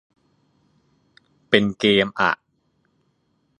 เป็นเกมอ่ะ